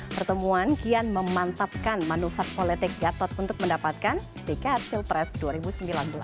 pertemuan kian memantapkan manufat politik gatot untuk mendapatkan di ketil press dua ribu sembilan belas